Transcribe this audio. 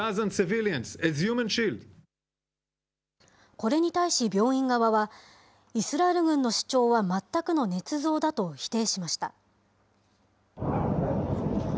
これに対し病院側は、イスラエル軍の主張は全くのねつ造だと否定しました。